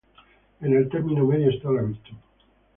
En el termino medio esta la virtud.